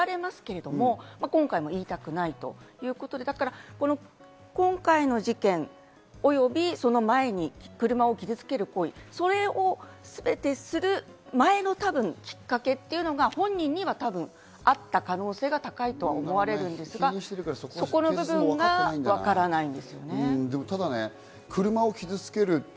今回の事件ともリンクしているんだろうとも見られますけれども、今回も言いたくないということで今回の事件及びその前に車を傷つける行為、それを全てする前のきっかけというのが本人には多分会った可能性が高いと思われるんですが、そこの部分がわからないんですよね。